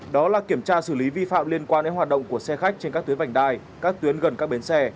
đó là kiểm tra xử lý vi phạm liên quan đến hoạt động của xe khách trên các tuyến vành đai các tuyến gần các bến xe